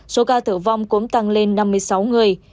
số ca tử vong cũng tăng lên năm mươi sáu người